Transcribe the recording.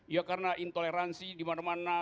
ya karena intoleransi dimana mana